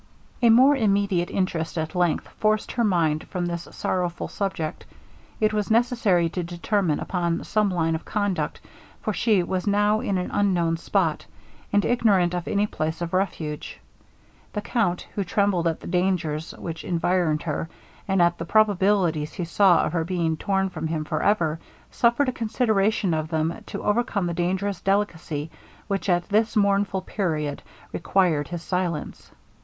A more immediate interest at length forced her mind from this sorrowful subject. It was necessary to determine upon some line of conduct, for she was now in an unknown spot, and ignorant of any place of refuge. The count, who trembled at the dangers which environed her, and at the probabilities he saw of her being torn from him for ever, suffered a consideration of them to overcome the dangerous delicacy which at this mournful period required his silence.